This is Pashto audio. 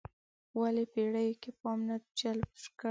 ولې پېړیو کې پام نه جلب کړی.